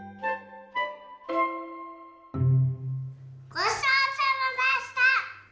ごちそうさまでした！